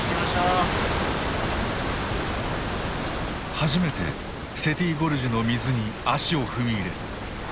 初めてセティ・ゴルジュの水に足を踏み入れる。